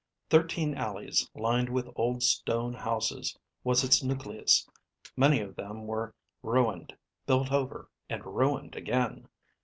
Thirteen alleys lined with old stone houses was its nucleus; many of them were ruined, built over, and ruined again.